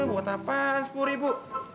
buat apaan sepuluh ribu